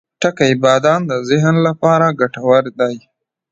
• بادام د ذهن لپاره خورا ګټور دی.